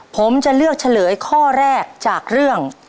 ผมจะเลือกเฉลยข้อแรกจากเรื่อง